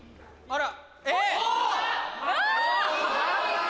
あら！